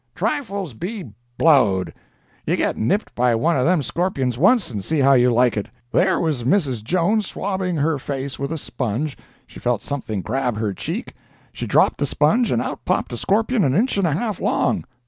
"Trifles be—blowed! You get nipped by one of them scorpions once, and see how you like it! There was Mrs. Jones, swabbing her face with a sponge; she felt something grab her cheek; she dropped the sponge and out popped a scorpion an inch and a half long!